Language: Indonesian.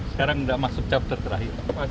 sekarang tidak masuk chapter terakhir